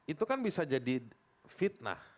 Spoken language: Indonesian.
itu kan bisa jadi fitnah